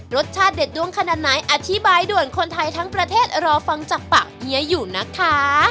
รสชาติเด็ดด้วงขนาดไหนอธิบายด่วนคนไทยทั้งประเทศรอฟังจากปากเฮียอยู่นะคะ